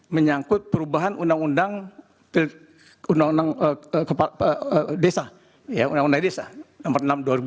menyangkut perubahan undang undang desa undang undang desa nomor enam dua ribu enam belas